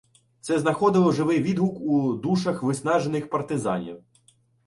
Це знаходило живий відгук у душах виснажених партизанів.